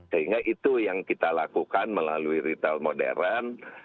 sehingga itu yang kita lakukan melalui retail modern